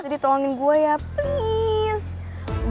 jadi tolongin gue ya please